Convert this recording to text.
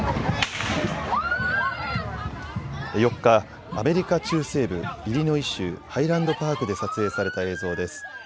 ４日、アメリカ中西部イリノイ州ハイランドパークで撮影された映像です。